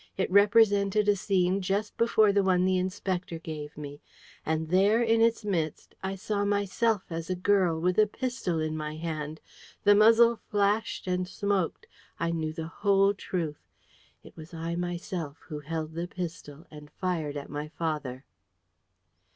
It represented a scene just before the one the Inspector gave me. And there, in its midst, I saw myself as a girl, with a pistol in my hand. The muzzle flashed and smoked. I knew the whole truth. It was I myself who held the pistol and fired at my father!